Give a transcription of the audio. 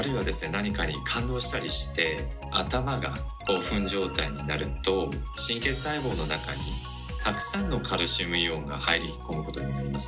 なにかに感動したりして頭が興奮状態になると神経細胞の中にたくさんのカルシウムイオンが入り込むことになります。